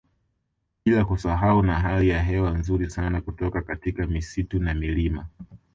Bila kusahau na hali ya hewa nzuri sana kutoka katika misitu na milima